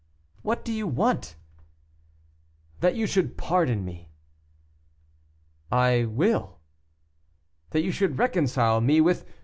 "What do you want?" "That you should pardon me." "I will." "That you should reconcile me with M.